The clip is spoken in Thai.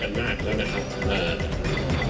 อันดับสุดท้าย